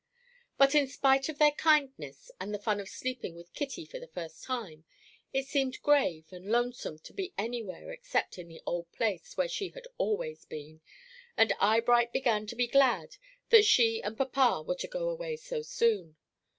But in spite of their kindness, and the fun of sleeping with Kitty for the first time, it seemed grave and lonesome to be anywhere except in the old place where she had always been, and Eyebright began to be glad that she and papa were to go away so soon.